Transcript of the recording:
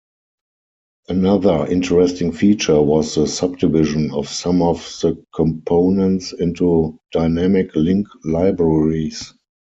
Another interesting feature was the subdivision of some of the components into dynamic-link libraries.